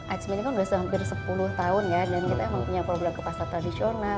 ajmen ini kan udah sempir sepuluh tahun ya dan kita emang punya problem kepasta tradisional